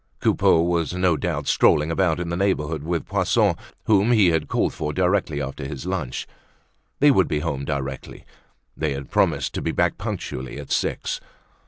Coupeau was no doubt strolling about in the neighborhood with Poisson whom he had called for directly after his lunch; they would be home directly, they had promised to be back punctually at six.